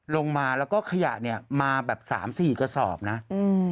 ลงมาแล้วก็ขยะเนี้ยมาแบบสามสี่กระสอบนะอืม